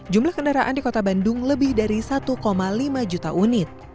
jumlah kendaraan di kota bandung lebih dari satu lima juta unit